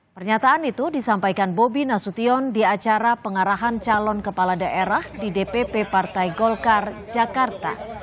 pernyataan itu disampaikan bobi nasution di acara pengarahan calon kepala daerah di dpp partai golkar jakarta